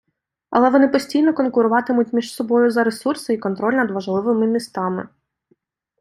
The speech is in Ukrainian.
Але вони постійно конкуруватимуть між собою за ресурси і контроль над важливими містами.